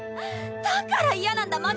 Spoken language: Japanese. だから嫌なんだ